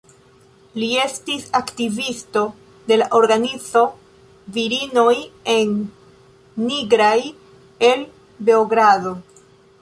Li estis aktivisto de la organizo Virinoj en Nigraj el Beogrado.